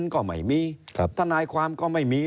ก็ไม่มีทนายความก็ไม่มี